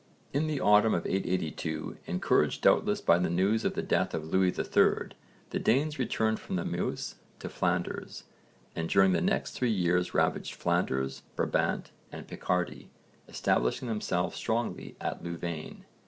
In the autumn of 882, encouraged doubtless by the news of the death of Lewis III, the Danes returned from the Meuse to Flanders and during the next three years ravaged Flanders, Brabant and Picardy, establishing themselves strongly at Louvain.